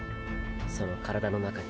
その体の中に。